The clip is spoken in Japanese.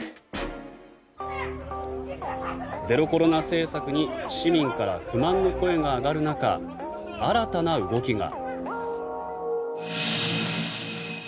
ゼロコロナ政策に市民から不満の声が上がる中新たな動きが。